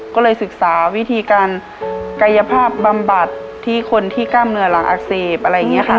ก็เลยศึกษาวิธีการกายภาพบำบัดที่คนที่กล้ามเนื้อหลังอักเสบอะไรอย่างนี้ค่ะ